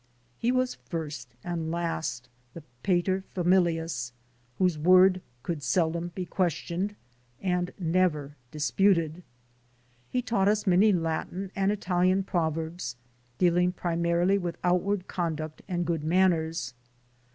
He was first and last the "pater familias," whose word could seldom be questioned, and never disputed. He taught us many Latin and Italian proverbs, dealing primarily with outward conduct and good manners.